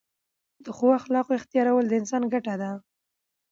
د ښو اخلاقو احتیارول د انسان ګټه ده.